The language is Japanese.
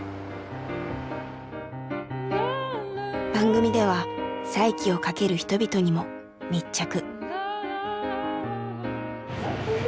番組では再起をかける人々にも密着。